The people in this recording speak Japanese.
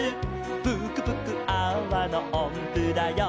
「ぷくぷくアワのおんぷだよ」